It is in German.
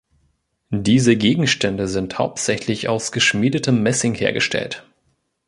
Diese Gegenstände sind hauptsächlich aus geschmiedetem Messing hergestellt.